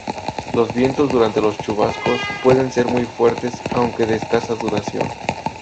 Los vientos durante los chubascos pueden ser muy fuertes aunque de escasa duración.